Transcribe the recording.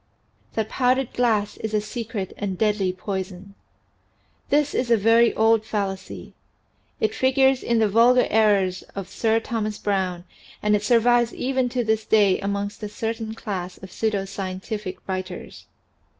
THAT POWDERED GLASS IS A SECRET AND DEADLY POISON HIS is a very old fallacy. It figures in the "Vulgar Errors" of Sir Thomas Browne and it survives even to this day amongst a certain class of pseudo scientific writers.